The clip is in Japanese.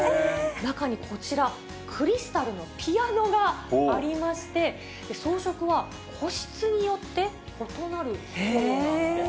中にこちら、クリスタルのピアノがありまして、装飾は、個室によって異なるそうなんです。